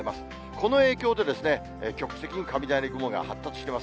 この影響で、局地的に雷雲が発達してます。